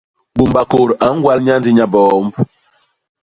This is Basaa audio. Bômbakôt a ñgwal nya ndi nya biomb.